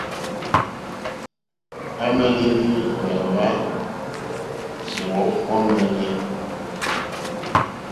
À mɛ̀ndɛ́ ndí áwà hwɔ́kɔ́ !mɛ́ɛ́nɛ́.